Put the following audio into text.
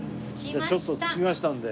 じゃあちょっと着きましたんで。